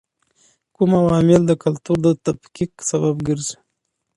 کوم عوامل د کلتور د تفکیک سبب ګرځي؟